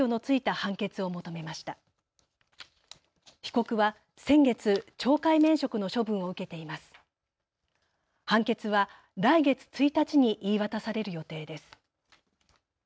判決は来月１日に言い渡される予定です。